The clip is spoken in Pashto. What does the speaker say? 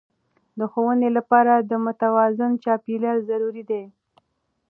د ښوونې لپاره د متوازن چاپیریال ضروري دی.